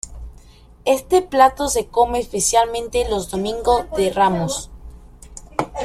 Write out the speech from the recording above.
Este plato se come especialmente los Domingo de Ramos.